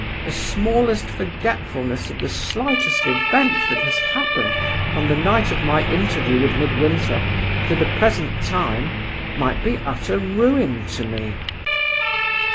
The smallest forgetfulness of the slightest event that has happened from the night of my interview with Midwinter to the present time might be utter ruin to me.